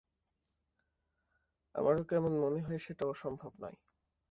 আমারও কেমন মনে হয়, সেটা অসম্ভব নয়।